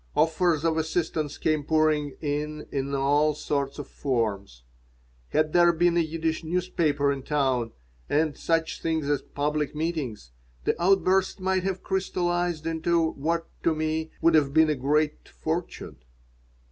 Offers of assistance came pouring in in all sorts of forms. Had there been a Yiddish newspaper in town and such things as public meetings, the outburst might have crystallized into what, to me, would have been a great fortune.